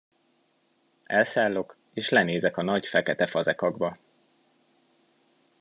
Elszállok, és lenézek a nagy, fekete fazekakba!